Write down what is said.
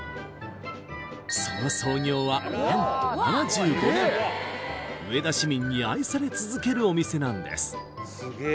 その創業は何と７５年上田市民に愛され続けるお店なんです